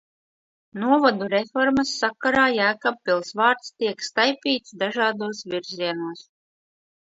Novadu reformas sakarā Jēkabpils vārds tiek staipīts dažādos virzienos.